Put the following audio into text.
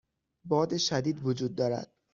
باد شدید وجود دارد.